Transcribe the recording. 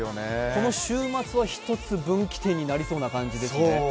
この週末は一つ分岐点になりそうな漢字ですね。